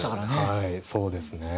はいそうですね。